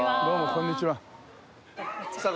こんにちは。